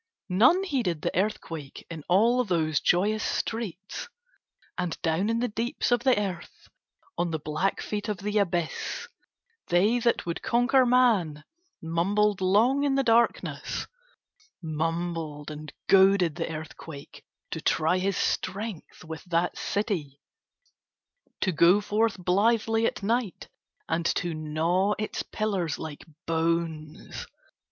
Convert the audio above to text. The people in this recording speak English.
None heeded the earthquake in all those joyous streets. And down in the deeps of the earth, on the black feet of the abyss, they that would conquer Man mumbled long in the darkness, mumbled and goaded the earthquake to try his strength with that city, to go forth blithely at night and to gnaw its pillars like bones.